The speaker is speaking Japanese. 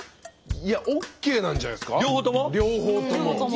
いやＯＫなんじゃないですか両方とも。